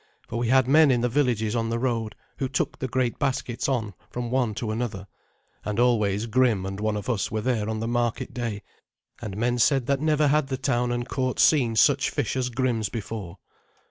For we had men in the villages on the road who took the great baskets on from one to another, and always Grim and one of us were there on the market day, and men said that never had the town and court seen such fish as Grim's before.